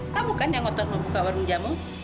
kamu kan yang ngotot membuka warung jamu